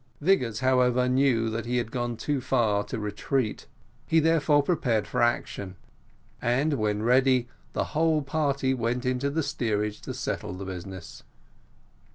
Vigors, however, knew that he had gone too far to retreat; he therefore prepared for action; and, when ready, the whole party went out into the steerage to settle the business.